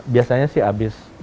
biasanya sih habis